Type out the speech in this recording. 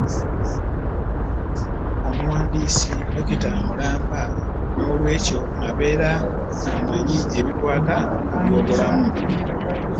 Omuwandiisi ddokita mulamba n’olwekyo abeera amanyi ebikwata ku byobulamu.